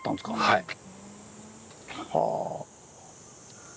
はい。